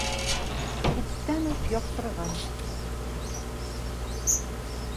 Күптән үк яҡтырған.